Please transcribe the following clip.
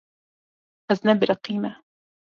Ez nebiriqîme.